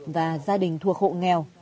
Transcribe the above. và gia đình thuộc hộ nghèo